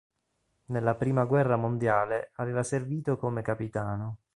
Nella Prima guerra mondiale aveva servito come capitano.